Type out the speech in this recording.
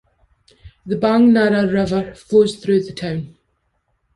The Bang Nara River flows through the town.